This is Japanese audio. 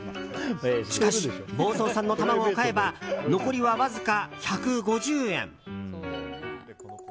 しかし、房総産の卵を買えば残りはわずか１５０円。